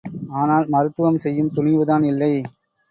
ஆனால் மருத்துவம் செய்யும் துணிவு தான் இல்லை.